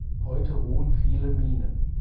Heute ruhen viele Minen.